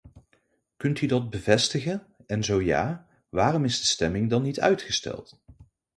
Kunt u dat bevestigen, en zo ja, waarom is de stemming dan niet uitgesteld?